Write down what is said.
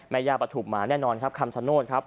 แมฆยาบประถูปมาแน่นอนครับคำสั่นโน่นครับ